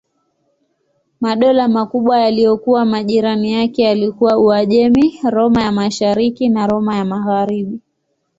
Madola makubwa yaliyokuwa majirani yake yalikuwa Uajemi, Roma ya Mashariki na Roma ya Magharibi.